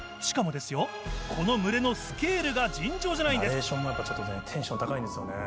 ナレーションもやっぱちょっとねテンション高いんですよね。